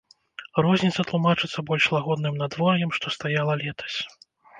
Розніца тлумачыцца больш лагодным надвор'ем, што стаяла летась.